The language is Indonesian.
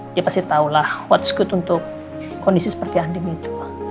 dia pasti tahulah what's good untuk kondisi seperti andin itu